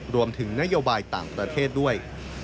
รวมถึงนโยบายต่างประเทศด้วย